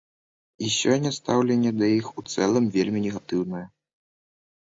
І сёння стаўленне да іх у цэлым вельмі негатыўнае.